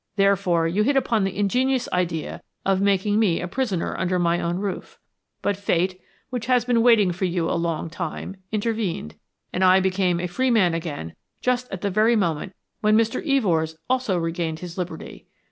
Therefore you hit upon the ingenious idea of making me a prisoner under my own roof. But Fate, which has been waiting for you a long time, intervened, and I became a free man again just at the very moment when Mr. Evors also regained his liberty.